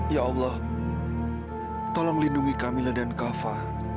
ya allah tolong lindungi kamila dan kava